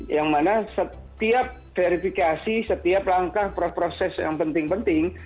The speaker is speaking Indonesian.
yang mana setiap verifikasi setiap langkah proses yang penting penting